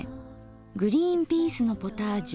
「グリーンピースのポタージュ」。